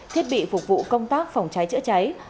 thiết bị phục vụ công tác phòng trái chữa trái